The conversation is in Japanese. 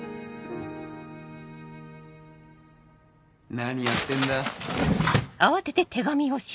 何やってんだ？